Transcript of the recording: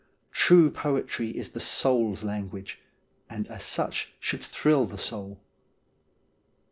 True poetry is the soul's language, and as such should thrill the soul.